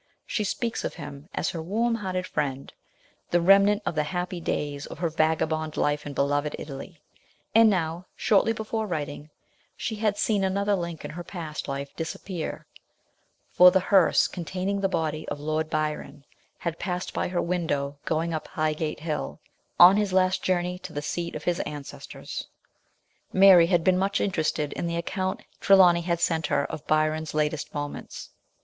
She speaks of him as her warm hearted friend, the remnant of the happy days of her vagabond life in beloved Italy, and now, shortly before writing, she had seen another link in her past life disappear ; for the hearse containing the body of Lord Byron had passed her window going up Highgate Hill, on his last journey to the seat of his ancestors. Mary had been much interested in the account Trelawny had sent her of Byron's latest moments.